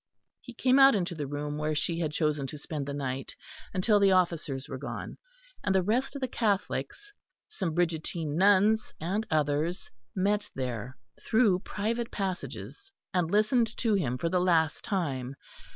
He came out into the room where she had chosen to spend the night until the officers were gone; and the rest of the Catholics, some Brigittine nuns and others, met there through private passages and listened to him for the last time.